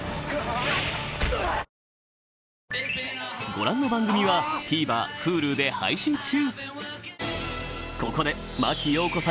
ご覧の番組はＴＶｅｒＨｕｌｕで配信中